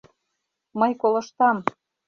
— Мый колыштам.